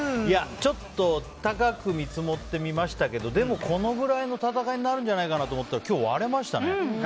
ちょっと高く見積もってみましたけどでも、このくらいの戦いになるんじゃないかなと思ったら今日、割れましたね。